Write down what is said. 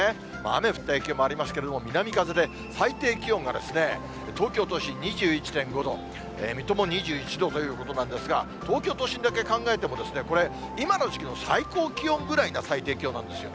雨降った影響もありますけれども、南風で、最低気温が、東京都心２１．５度、水戸も２１度ということなんですが、東京都心だけ考えても、これ今の時期の最高気温ぐらいな最低気温なんですよ。